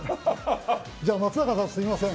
じゃあ松坂さんすいません。